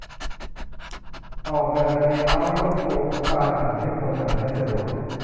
ออกแบบเลย์เอาต์และโฟลว์ของการอ่าน ให้คนอ่านได้สะดวก